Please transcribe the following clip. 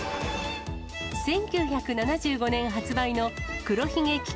１９７５年発売の黒ひげ危機